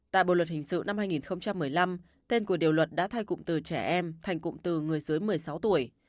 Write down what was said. tại bộ luật hình sự năm hai nghìn một mươi năm tên của điều luật đã thay cụm từ trẻ em thành cụm từ người dưới một mươi sáu tuổi